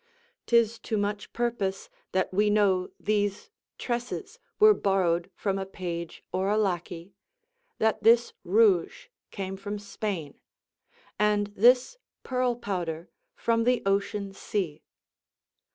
'Tis to much purpose that we know these tresses were borrowed from a page or a lackey; that this rouge came from Spain, and this pearl powder from the Ocean Sea.